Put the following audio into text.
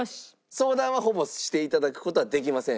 相談はほぼして頂く事はできません。